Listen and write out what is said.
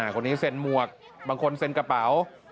คนนี้เซ็นหมวกบางคนเซ็นกระเป๋า